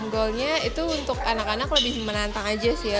goalnya itu untuk anak anak lebih menantang aja sih ya